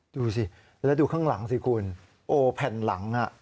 ดูสิแล้วดูข้างหลังสิคุณโอ้แผ่นหลังอ่ะ